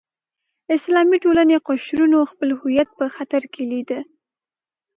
اسلامي ټولنې قشرونو خپل هویت په خطر کې لیده.